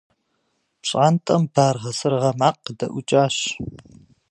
Пщӏантӏэм баргъэ-сыргъэ макъ къыдэӏукӏащ.